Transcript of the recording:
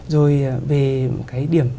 rồi về cái điểm